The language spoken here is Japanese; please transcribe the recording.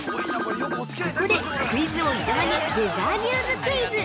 ◆ここで、クイズ王・伊沢にウェザーニューズクイズ！